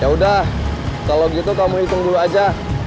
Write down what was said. ya udah kalau gitu kamu hitung dulu aja